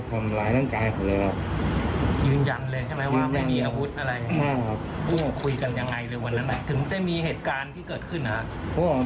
ทำร้ายร่างกายเขาเลยครับ